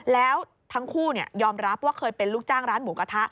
แล้วทั้งคู่ยอมรับว่าเคยเป็นลูกจ้างร้านหมูกระทะ